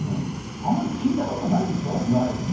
あんまり聞いたこないですね。